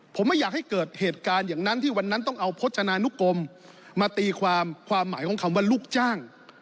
ผมไม่อยากให้เกิดเหตุการณ์อย่างนั้นที่วันนั้นต้องเอาพจนานุกรมมาตีความความหมายของคำว่าลูกจ้าง